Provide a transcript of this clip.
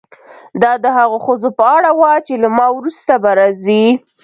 دا د هغو ښځو په اړه وه چې له ما وروسته به راځي.